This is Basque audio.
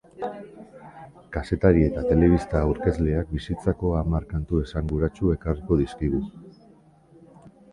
Kazetari eta telebista aurkezleak bizitzako hamar kantu esanguratsu ekarrik dizkigu.